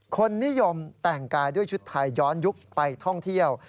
คนนิยมแต่งกายด้วยชุดไทยย้อนยุคไปท่องเที่ยว